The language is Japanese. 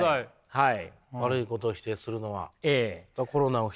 はい。